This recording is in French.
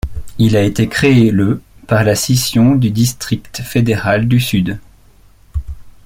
Il a été créé le par la scission du district fédéral du Sud.